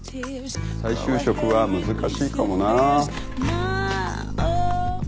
再就職は難しいかもなぁ。